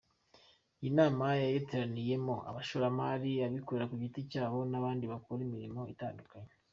Iyi nama yariteraniyemo Abashoramari, Abikorera ku giti cyabo n’abandi bakora imirimo itandukanye.